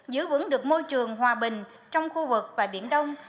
giữ vững được môi trường hòa bình trong khu vực và biển đông